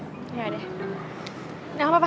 ya deh gak apa apa